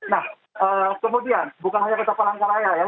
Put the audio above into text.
nah kemudian bukan hanya kota palangkaraya ya